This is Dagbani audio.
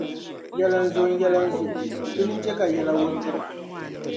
Yɛli n zo yɛli n zo dini n-chɛ ka yɛla wuligira.